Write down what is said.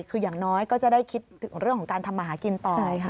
คืออย่างน้อยก็จะได้คิดถึงเรื่องของการทำมาหากินต่อ